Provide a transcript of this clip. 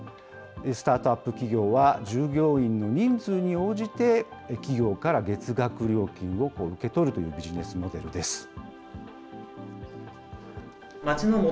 スタートアップ企業は従業員の人数に応じて、企業から月額料金を受け取るというビジネスモデルです。